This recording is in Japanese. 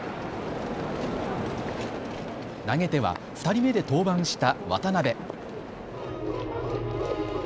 投げては２人目で登板した渡邊。